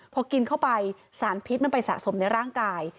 พอกินเข้าไปสารพิษมันไปสะสมในร่างกาย